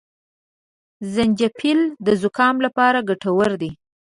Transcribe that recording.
زنجپيل د زکام لپاره ګټور دي